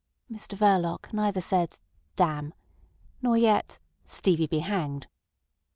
Mr Verloc neither said, "Damn!" nor yet "Stevie be hanged!"